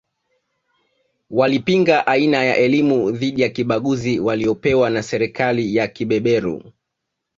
Walipinga aina ya elimu dhidi ya kibaguzi waliyopewa na serikali ya kibeberu